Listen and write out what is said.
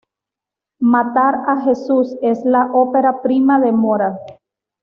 Matar a Jesús es la opera prima de Mora.